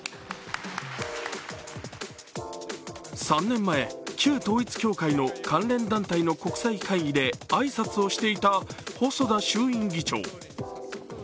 ３年前、旧統一教会の関連団体の国際会議で挨拶をしていた、細田衆院議長。